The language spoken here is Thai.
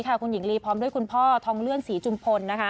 คุณหญิงลีพร้อมด้วยคุณพ่อทองเลื่อนศรีจุมพล